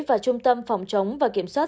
và trung tâm phòng chống và kiểm soát